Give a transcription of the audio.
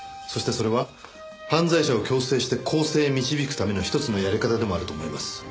そしてそれは犯罪者を矯正して更生へ導くためのひとつのやり方でもあると思います。